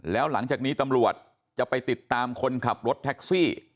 แล้วหลังจากนี้ตำรวจจะไปติดตามคนขับรถแท็กซี่